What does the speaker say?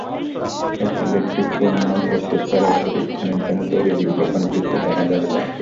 একটি ইলেকট্রিক পণ্য প্রস্তুতকারক প্রতিষ্ঠানের জন্য তৈরি বিজ্ঞাপনে দেখা যাবে তাঁকে।